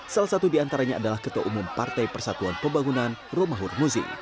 salah satu di antaranya adalah ketua umum partai persatuan pembangunan rumahur muzi